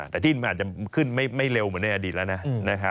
แต่ที่ดินมันอาจจะขึ้นไม่เร็วเหมือนในอดีตแล้วนะ